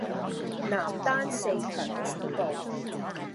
男單四強止步